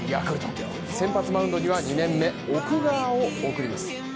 先発マウンドには２年目奥川を送ります